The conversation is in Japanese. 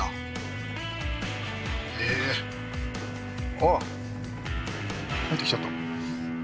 あっ入ってきちゃった。